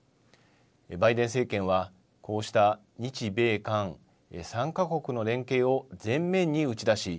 バイデン政権はこうした日米韓３か国の連携を前面に打ち出し